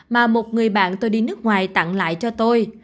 mà một người bạn tôi đi nước ngoài tặng lại cho tôi